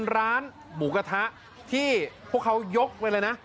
ร้านหมูกระทะที่พวกเขายกไปเลยนะ